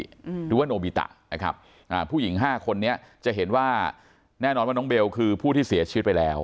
หรือว่าโนบิตะนะครับอ่าผู้หญิงห้าคนนี้จะเห็นว่าแน่นอนว่าน้องเบลคือผู้ที่เสียชีวิตไปแล้ว